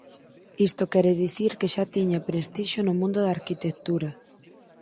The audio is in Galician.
Isto quere dicir que xa tiña prestixio no mundo da arquitectura.